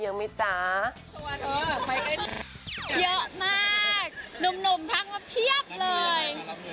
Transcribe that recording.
เยอะมากหนุ่มทั้งระเบียบเลย